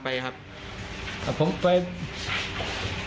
อำนวยโฆนลิวโรงศัตริย์